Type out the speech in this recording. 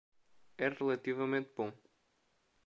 É relativamente bom.